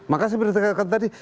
maka saya beri tekanan tadi